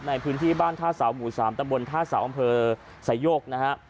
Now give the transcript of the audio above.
ในพื้นที่บ้านท่าเสาหมู่๓ตะบนท่าเสาอำเภอสายโยกนะฮะ